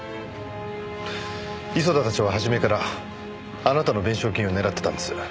磯田たちは初めからあなたの弁償金を狙ってたんです。